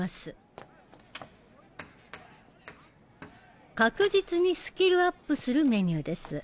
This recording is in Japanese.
カリカリカリ確実にスキルアップするメニューです。